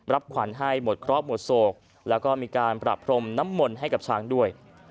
รับขวานให้หมดครอบหมดโศกและมีการปรับพรมน้ำมนให้กับช้างด้วย